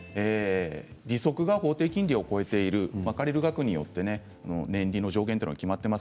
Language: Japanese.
利息が法定金利を超えている借りる額によって年利の条件が決まっています。